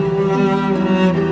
suara kamu indah sekali